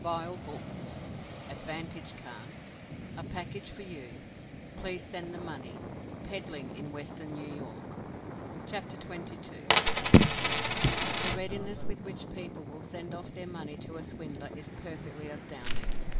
VILE BOOKS. "ADVANTAGE CARDS." A PACKAGE FOR YOU; PLEASE SEND THE MONEY. PEDDLING IN WESTERN NEW YORK. The readiness with which people will send off their money to a swindler is perfectly astounding.